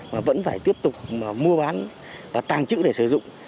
mà vẫn phải tiếp tục mua bán tàng trữ để sử dụng